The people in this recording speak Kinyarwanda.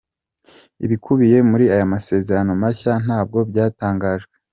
Ibikubiye muri aya masezerano mashya ntabwo byatangajwe.